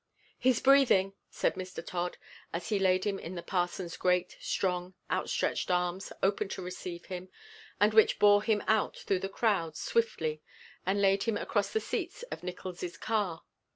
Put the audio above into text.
"He's breathing," said Mr. Todd, as he laid him in the parson's great, strong, outstretched arms open to receive him and which bore him out through the crowd swiftly and laid him across the seats of Nickols' car.